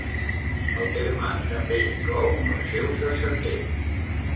El terme també inclou els seus descendents.